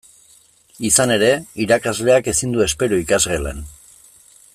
Izan ere, irakasleak ezin du espero ikasgelan.